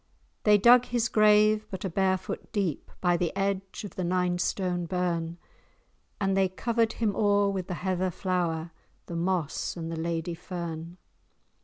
They dug his grave but a bare foot deep, By the edge of the Ninestone Burn, And they covered him o'er with the heather flower, The moss and the Lady fern.